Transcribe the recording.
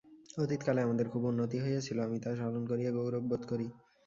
অতীতকালে আমাদের খুব উন্নতি হইয়াছিল, আমি তাহা স্মরণ করিয়া গৌরব বোধ করি।